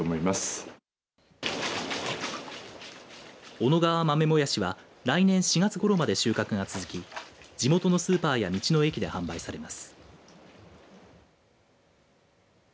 小野川豆もやしは来年４月ごろまで収穫が続き地元のスーパーや道の駅で販売されます。